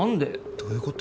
どういうこと？